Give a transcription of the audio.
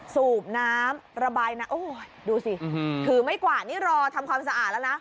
สูบน้ำระบายน้ำโอ้โหดูสิถือไม่กว่านี่รอทำความสะอาดแล้วนะ